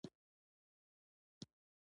هېڅ باور مې نه کېده، البته دغه ډول خبرې.